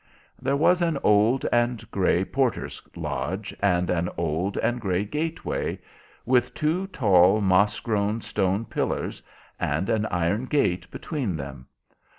There was an old and grey porter's lodge, and an old and grey gateway, with two tall, moss grown stone pillars, and an iron gate between them.